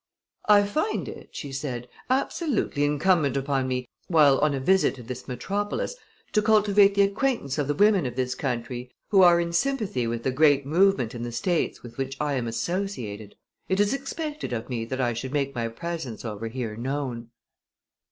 "I find it," she said, "absolutely incumbent upon me, while on a visit to this metropolis, to cultivate the acquaintance of the women of this country who are in sympathy with the great movement in the States with which I am associated. It is expected of me that I should make my presence over here known."